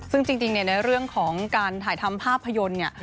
ซึ่งจริงเนี่ยในเรื่องของการถ่ายทำภาพยนตร์เนี่ย